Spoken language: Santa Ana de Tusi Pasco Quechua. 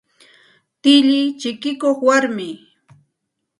Tilli chikikuq warmimi.